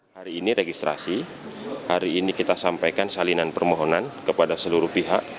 hari ini registrasi hari ini kita sampaikan salinan permohonan kepada seluruh pihak